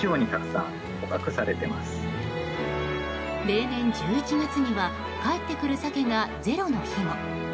例年１１月には帰ってくるサケがゼロの日も。